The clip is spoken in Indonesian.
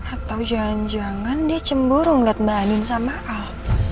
atau jangan jangan dia cemburu ngeliat beraniin sama al